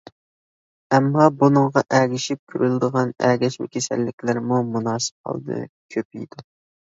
ئەمما بۇنىڭغا ئەگىشىپ كۆرۈلىدىغان ئەگەشمە كېسەللىكلەرمۇ مۇناسىپ ھالدا كۆپىيىدۇ.